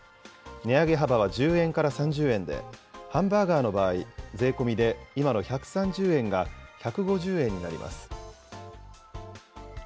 値上げ幅は１０円から３０円で、ハンバーガーの場合、税込みで今の１３０円が１５０円になります。